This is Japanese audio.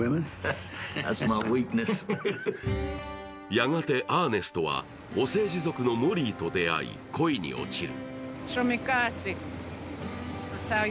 やがてアーネストはオセージ族のモリーと出会い、恋に落ちる。